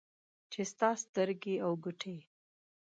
چې ستا سترګې او ګوټې